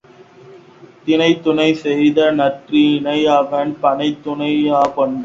தினைத்துணை செய்த நன்றியை அவன் பனைத்துணையாகக் கொண்டான்.